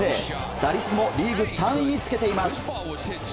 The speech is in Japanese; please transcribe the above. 打率もリーグ３位につけています。